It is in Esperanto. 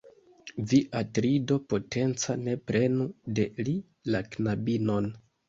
Vi, Atrido potenca, ne prenu de li la knabinon.